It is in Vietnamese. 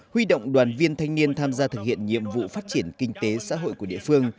huy động đoàn viên thanh niên tham gia thực hiện nhiệm vụ phát triển kinh tế xã hội của địa phương